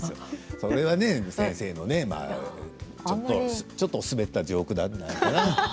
それはね先生のちょっと滑ったジョークだったのかな。